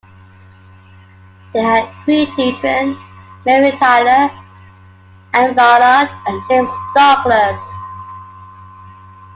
They had three children: Mary Tyler, Anne Ballard, and James Douglas.